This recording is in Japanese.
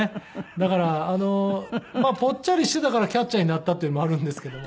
だからぽっちゃりしていたからキャッチャーになったっていうのもあるんですけども。